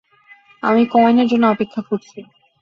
আমি কয়েনের জন্য অপেক্ষা করছি।